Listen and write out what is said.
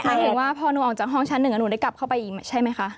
หมายถึงว่าพอหนูออกจากห้องชั้นหนึ่งหนูได้กลับเข้าไปอีกใช่ไหมคะ